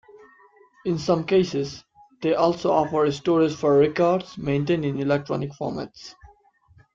In some cases, they also offer storage for records maintained in electronic formats.